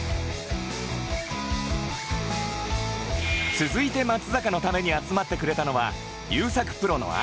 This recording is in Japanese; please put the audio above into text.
続いて松坂のために集まってくれたのは優作プロの兄